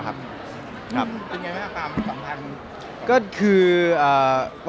สองปีแล้ว